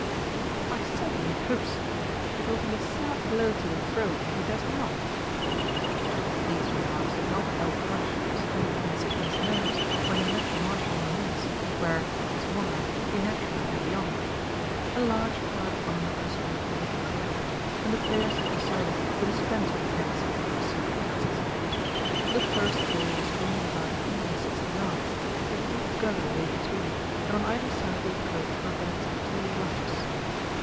"I sincerely hope so. It will be a sad blow to the Throne if he does not." These remarks did not help much to steady King Sidney's nerves when he met the Marshal on the links, where, as Monarch, he naturally had the honour. A large crowd of onlookers from the Court had collected, and the players had decided to dispense with caddies under the circumstances. The first hole was only about a hundred and sixty yards; a deep gully lay between, and on either side of the approach were beds of tall rushes.